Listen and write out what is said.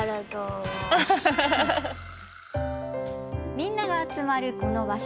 みんなが集まるこの場所